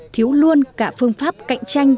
thiếu luôn cả phương pháp cạnh tranh